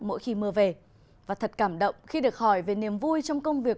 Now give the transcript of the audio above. mỗi khi mưa về và thật cảm động khi được hỏi về niềm vui trong công việc